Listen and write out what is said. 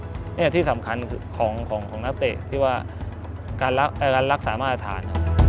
นี่ที่สำคัญคือของนักเตะที่ว่าการรักษามาตรฐาน